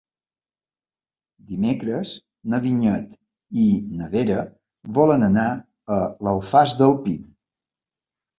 Dimecres na Vinyet i na Vera volen anar a l'Alfàs del Pi.